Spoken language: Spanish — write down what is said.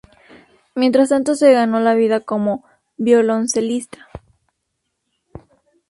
Mientras tanto se ganó la vida como violoncelista.